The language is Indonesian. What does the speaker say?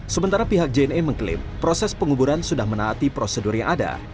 sementara pihak jne mengklaim proses penguburan sudah menaati prosedur yang ada